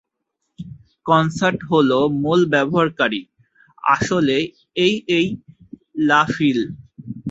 Concert হলের মুল ব্যবহারকারী আসলে এই এই লা ফিল।